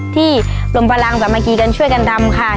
ที่ลมพลังแบบเมื่อกี้กันช่วยกันทำค่ะ